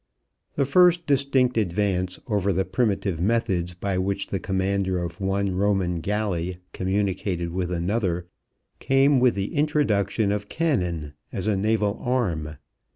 The first distinct advance over the primitive methods by which the commander of one Roman galley communicated with another came with the introduction of cannon as a naval arm.